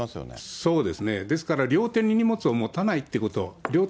そうですね、ですから両手に荷物を持たないということ、両手